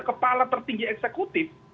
kepala tertinggi eksekutif